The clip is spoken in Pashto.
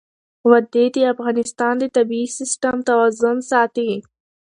وادي د افغانستان د طبعي سیسټم توازن ساتي.